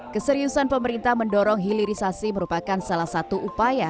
keseriusan pemerintah mendorong hilirisasi merupakan salah satu upaya